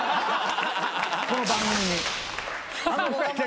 この番組に。